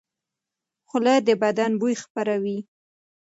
خوله د بدن بوی خپروي.